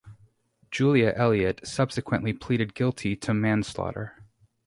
Julia Elliott subsequently pleaded guilty to manslaughter.